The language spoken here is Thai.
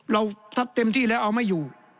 เราถ้าเต็มที่แล้วเอาไม่อยู่